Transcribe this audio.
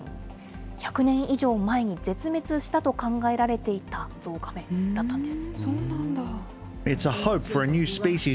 １００年以上も前に絶滅したと考えられていたゾウガメだったんです。